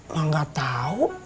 mak gak tau